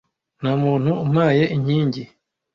nta muntu umpaye inkingi